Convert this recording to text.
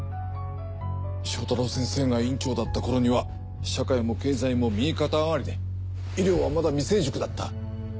正太郎先生が院長だった頃には社会も経済も右肩上がりで医療はまだ未成熟だった。